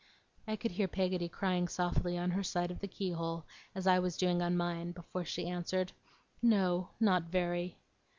I could hear Peggotty crying softly on her side of the keyhole, as I was doing on mine, before she answered. 'No. Not very.